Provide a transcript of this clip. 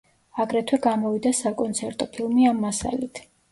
აგრეთვე გამოვიდა საკონცერტო ფილმი ამ მასალით.